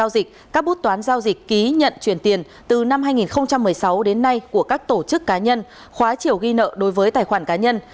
dịch ký nhận chuyển tiền từ năm hai nghìn một mươi sáu đến nay của các tổ chức cá nhân khóa chiều ghi nợ đối với tài khoản cá nhân